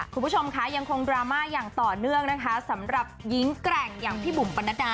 คุณผู้ชมค่ะยังคงดราม่าอย่างต่อเนื่องนะคะสำหรับหญิงแกร่งอย่างพี่บุ๋มปนัดดา